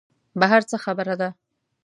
بهر څه خبره ده.